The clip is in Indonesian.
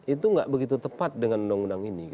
itu nggak begitu tepat dengan undang undang ini